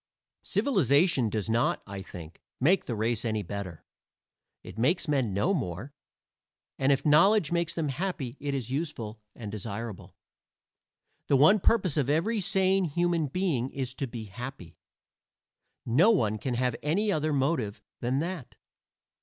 Civilization does not, I think, make the race any better. It makes men know more: and if knowledge makes them happy it is useful and desirable. The one purpose of every sane human being is to be happy. No one can have any other motive than that.